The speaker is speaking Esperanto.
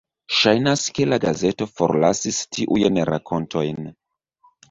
Ŝajnas ke la gazeto forlasis tiujn rakontojn.